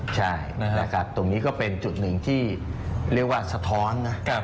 ใช่นะครับตรงนี้ก็เป็นจุดหนึ่งที่เรียกว่าสะท้อนนะ